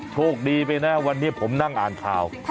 โชคดีไปนะวันนี้ผมนั่งอ่านข่าว